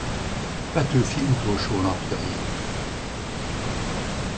Petőfi utolsó napjai.